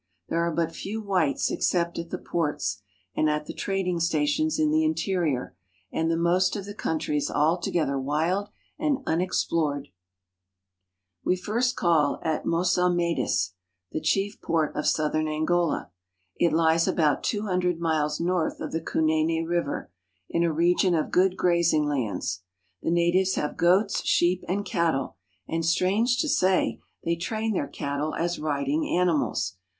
There are but few whites except at the ports and at the trading stations in the interior, and the most of the country is altogether wild and unexplored. We first call at Mossamedes (mos sa'ma des), the chief port of southern Angola. It lies about two hundred miles north of the Kunene River, in a region of good grazing lands. The natives have goats, sheep, and cattle ; and, strange to say, they train their cattle as riding animals.